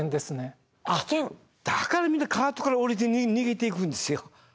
だからみんなカートから降りて逃げていくんですよ。